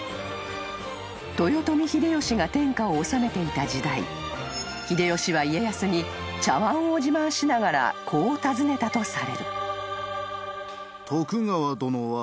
［豊臣秀吉が天下を治めていた時代秀吉は家康に茶わんを自慢しながらこう尋ねたとされる］